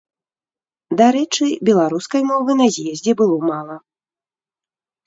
Дарэчы, беларускай мовы на з'ездзе было мала.